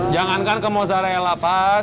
jangankan ke mozarella pak